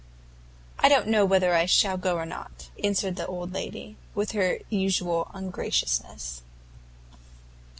"I don't know whether I shall go or not," answered the old lady, with her usual ungraciousness.